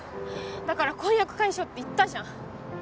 だから婚約解消って言ったじゃん。